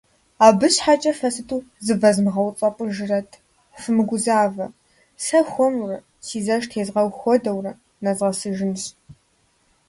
Абы щхьэкӀэ фэ сыту зывэзмыгъэуцӀэпӀыжрэт, фымыгузавэ, сэ хуэмурэ, си зэш тезгъэу хуэдэурэ, нэзгъэсыжынщ.